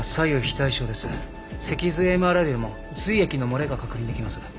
脊髄ＭＲＩでも髄液の漏れが確認できます。